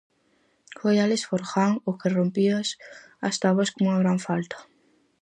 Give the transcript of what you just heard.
Foi Álex Forján o que rompías as táboas cunha gran falta.